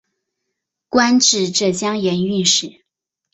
官至浙江盐运使。